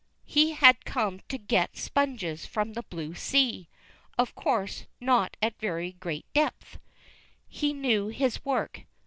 He had come to get sponges from the blue sea. Of course not at very great depth. He knew his work.